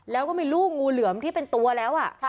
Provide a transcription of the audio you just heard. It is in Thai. แล้วก็มีลูกงูเหลือมที่เป็นตัวแล้ว